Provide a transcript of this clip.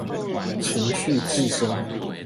情緒寄生